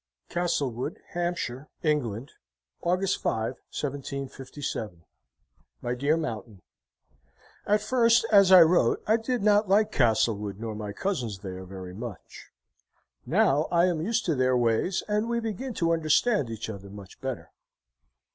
"CASTLEWOOD, HAMPSHIRE, ENGLAND, August 5, 1757. "MY DEAR MOUNTAIN At first, as I wrote, I did not like Castlewood, nor my cousins there, very much. Now, I am used to their ways, and we begin to understand each other much better.